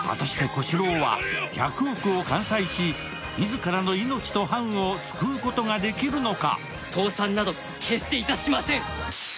果たして小四郎は１００億を完済し自らの命と藩を救うことができるのか。